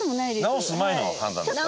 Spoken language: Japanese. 直す前の判断ですから。